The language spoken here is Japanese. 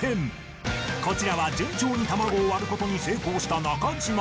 ［こちらは順調に卵を割ることに成功した］